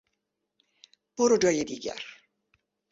برو جای دیگر.